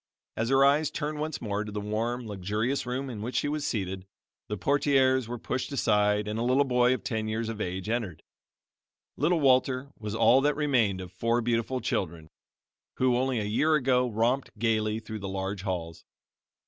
As her eyes turned once more to the warm, luxurious room in which she was seated, the portieres were pushed aside and a little boy of ten years of age entered. Little Walter was all that remained of four beautiful children, who, only a year ago, romped gaily through the large halls.